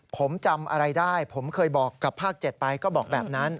ผมจำอะไรได้ผมเคยบอกกับภาค๗ไปก็บอกแบบนั้น